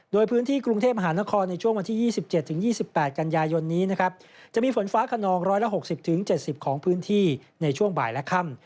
โดยพื้นที่กรุงเทพมหานครในช่วงวันที่๒๗๒๘กันยายนนี้นะครับจะมีฝนฟ้าขนอง๑๖๐๗๐ของพื้นที่ในช่วงบ่ายและค่ำ